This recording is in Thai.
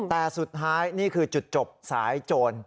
แต่สุดท้ายนี่คือจุดจบสายโจร